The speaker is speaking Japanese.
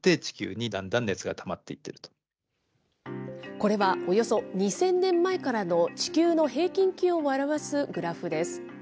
これは、およそ２０００年前からの地球の平均気温を表すグラフです。